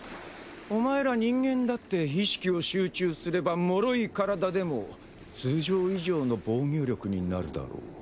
お前ら人間だって意識を集中すればもろい体でも通常以上の防御力になるだろう？